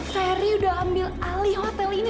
ferry udah ambil ali hotel ini